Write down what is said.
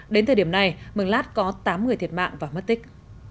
đến thời điểm này mường lát có tám người thiệt mạng và mất tích